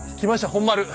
本丸。